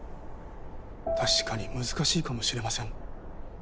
確かに難しいかもしれません。